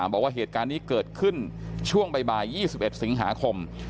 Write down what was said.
บอกว่าเหตุการณ์นี้เกิดขึ้นช่วงบ่าย๒๑สิงหาคม